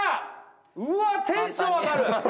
うわテンション上がる！